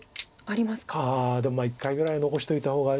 ああでも１回ぐらい残しておいた方が。